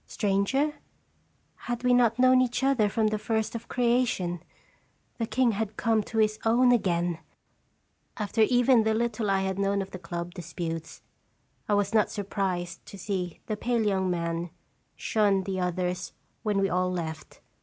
Stranger? Had we not known each other from the first of creation ? The king had come to his own again ! After even the little I had known of the club disputes, I was not surprised to see the pale young man shun the others when we all left.